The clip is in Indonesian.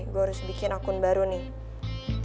gue harus bikin akun baru nih